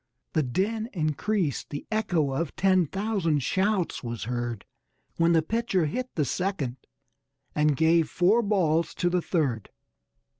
The din increased, the echo of ten thousand shouts was heard When the pitcher hit the second and gave "four balls" to the third.